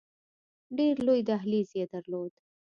ډېر لوی دهلیز یې درلود.